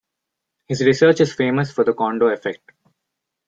His research is famous for the Kondo effect.